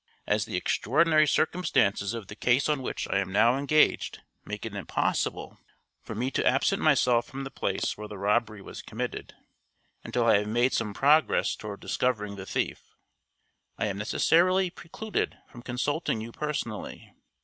As the extraordinary circumstances of the case on which I am now engaged make it impossible for me to absent myself from the place where the robbery was committed until I have made some progress toward discovering the thief, I am necessarily precluded from consulting you personally.